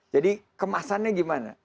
jadi kemasannya gimana